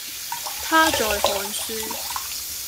他在看書